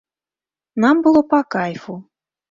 Нам было па кайфу.